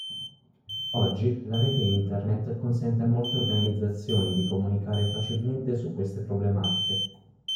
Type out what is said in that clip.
Oggi, la rete internet consente a molte organizzazioni di comunicare facilmente su queste problematiche.